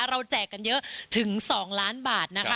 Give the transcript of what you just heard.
แจกกันเยอะถึง๒ล้านบาทนะคะ